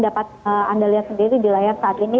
dapat anda lihat sendiri di layar saat ini